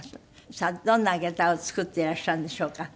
さあどんな下駄を作っていらっしゃるんでしょうか。